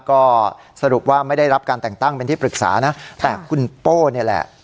ก็สรุปว่าไม่ได้รับการแต่งตั้งเป็นที่ปรึกษานะแต่คุณโป้นี่แหละ